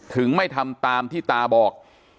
ไม่ทำตามที่ตาบอก